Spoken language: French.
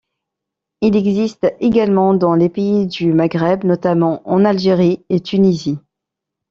Il existe également dans les pays du maghreb, notamment en Algérie et Tunisie.